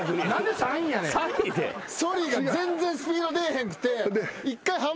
ソリが全然スピード出えへんくて。